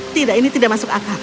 tidak ini tidak masuk akal